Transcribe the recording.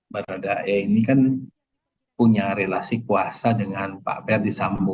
manadae ini punya relasi kuasa dengan pak ferdisambu